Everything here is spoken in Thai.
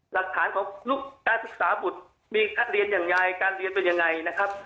หลักฐานของการศึกษาบุตรมีการเรียนอย่างไรการเรียนเป็นยังไงนะครับ